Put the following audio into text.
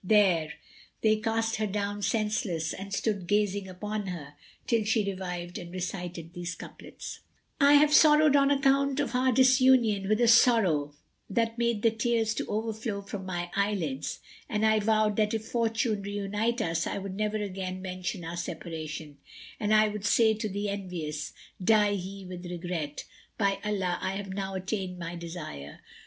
There they cast her down, senseless, and stood gazing upon her, till she revived and recited these couplets,[FN#169] "I have sorrowed on account of our disunion with a sorrow that made the tears to overflow from my eyelids; And I vowed that if Fortune reunite us, I would never again mention our separation; And I would say to the envious, Die ye with regret; By Allah I have now attained my desire!